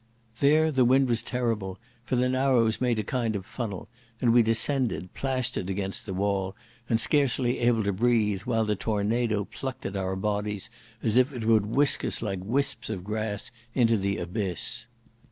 There the wind was terrible, for the narrows made a kind of funnel, and we descended, plastered against the wall, and scarcely able to breathe, while the tornado plucked at our bodies as if it would whisk us like wisps of grass into the abyss.